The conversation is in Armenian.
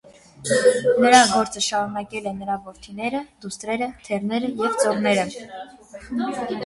Նրա գործը շարունակել են նրա որդիները, դուստրերը, թեռները և ծոռները։